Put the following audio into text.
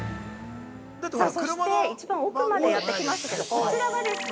◆さあそして、一番奥までやってきましたけどこちらがですね